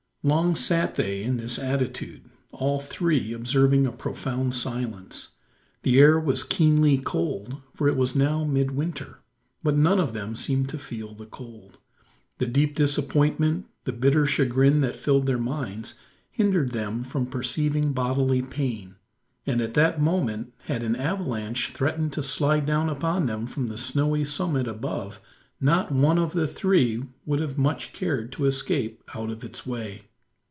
Long sat they in this attitude, all three, observing a profound silence. The air was keenly cold, for it was now mid winter, but none of them seemed to feel the cold. The deep disappointment, the bitter chagrin that filled their minds, hindered them from perceiving bodily pain; and at that moment had an avalanche threatened to slide down upon them from the snowy summit above, not one of the three would have much cared to escape out of its way.